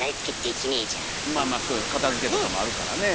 まあまあ片づけとかもあるからね。